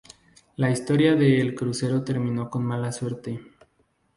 La historia de el crucero terminó con mala suerte.